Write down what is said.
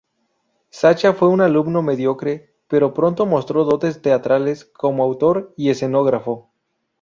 Sacha fue un alumno mediocre, pero pronto mostró dotes teatrales, como autor y escenógrafo.